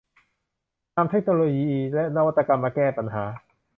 นำเทคโนโลยีและนวัตกรรมมาแก้ปัญหา